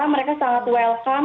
mereka sangat welcome